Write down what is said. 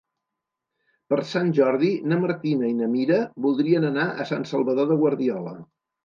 Per Sant Jordi na Martina i na Mira voldrien anar a Sant Salvador de Guardiola.